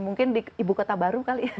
mungkin di ibu kota baru kali ya